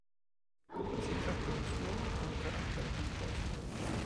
Si tratta di suoli con carattere composito.